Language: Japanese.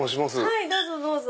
はいどうぞどうぞ。